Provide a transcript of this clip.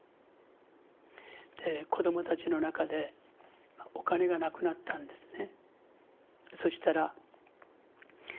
子どもたちの中でお金がなくなったんですね。